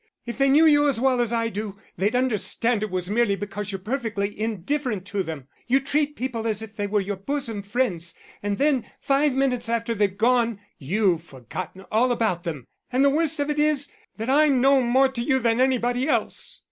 If they knew you as well as I do, they'd understand it was merely because you're perfectly indifferent to them. You treat people as if they were your bosom friends, and then, five minutes after they've gone, you've forgotten all about them.... And the worst of it is, that I'm no more to you than anybody else."